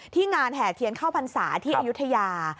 งานแห่เทียนเข้าพรรษาที่อายุทยา